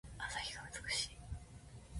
朝日が美しい。